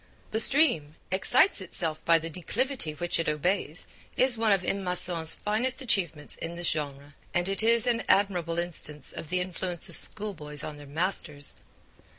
The stream 'excites itself by the declivity which it obeys' is one of M. Masson's finest achievements in this genre, and it is an admirable instance of the influence of schoolboys on their masters.